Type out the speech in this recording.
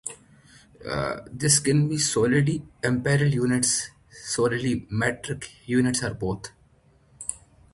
This can be solely imperial units, solely metric units or both.